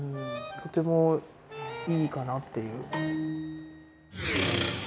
とてもいいかなっていう。